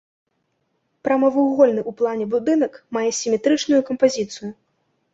Прамавугольны ў плане будынак мае сіметрычную кампазіцыю.